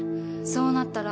そうなったら。